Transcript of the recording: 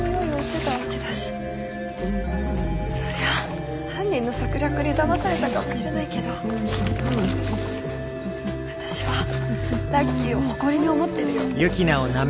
そりゃ犯人の策略にだまされたかもしれないけど私はラッキーを誇りに思ってるよ。